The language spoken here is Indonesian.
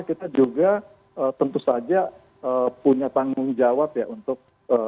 kita juga tentu saja punya tanggung jawab ya untuk